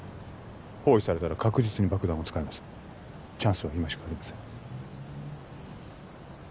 包囲されたら確実に爆弾を使いますチャンスは今しかありません